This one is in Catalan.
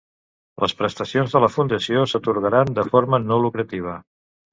Les prestacions de la fundació s'atorgaran de forma no lucrativa.